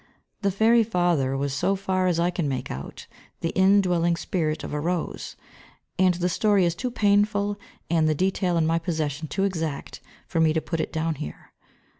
The fairy father was, so far as I can make out, the indwelling spirit of a rose, and the story is too painful and the detail in my possession too exact for me to put it down here.